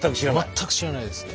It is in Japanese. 全く知らないですね。